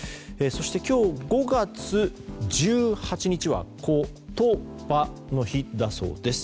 そして今日５月１８日は言葉の日だそうです。